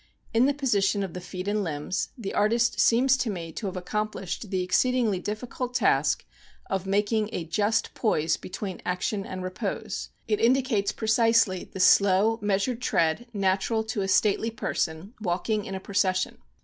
In the posi tion of the feet and limbs, the artist seems to me to have accomplished the exceed ingly difficult task of making a just poise between action and repose. It indicates precisely the slow, measured tread natural to a stately person walking in a proces sion.